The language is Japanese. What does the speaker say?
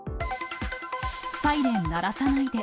サイレン鳴らさないで。